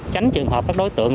tránh trường hợp các đối tượng